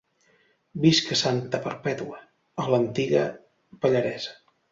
Visc a Santa Perpètua, a l'antiga Pallaresa.